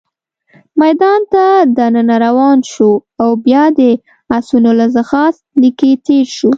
میدان ته دننه روان شوو، او بیا د اسونو له ځغاست لیکې تېر شوو.